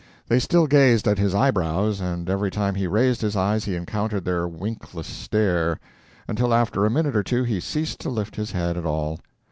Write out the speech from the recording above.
They still gazed at his eyebrows, and every time he raised his eyes he encountered their winkless stare until after a minute or two he ceased to lift his head at all.